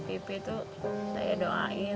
ngasih vivi itu saya doain